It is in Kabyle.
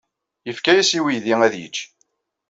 Yefka-as i uydi ad yečč.